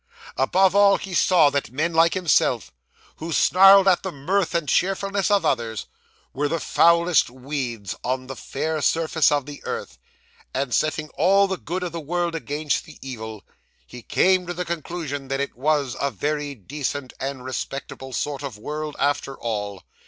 Above all, he saw that men like himself, who snarled at the mirth and cheerfulness of others, were the foulest weeds on the fair surface of the earth; and setting all the good of the world against the evil, he came to the conclusion that it was a very decent and respectable sort of world after all.